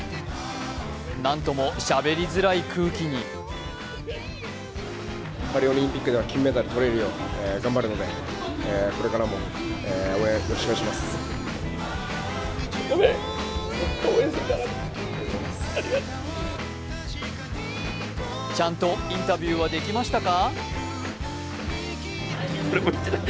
なんともしゃべりにくい空気にちゃんとインタビューはできましたか？